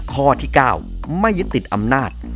ข้อที่๙ไม่ยึดติดอำนาจ